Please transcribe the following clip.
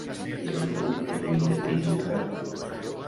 L'institut és l'únic de Prince Rupert.